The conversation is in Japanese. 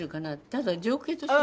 ただ情景として。